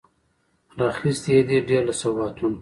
راخیستي یې دي، ډیر له سوغاتونو